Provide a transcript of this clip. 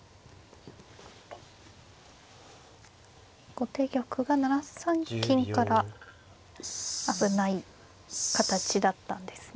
後手玉が７三金から危ない形だったんですね。